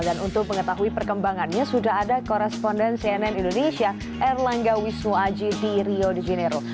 dan untuk mengetahui perkembangannya sudah ada koresponden cnn indonesia erlangga wisnuaji di rio de janeiro